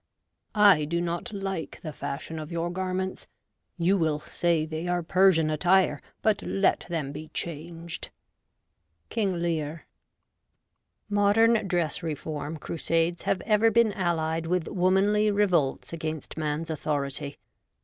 ' I do not like the fashion of your garments — you will say, they are Persian attire, but let them be changed.' — King Lear. MODERN dress reform crusades have ever been allied with womanly revolts against man's authority.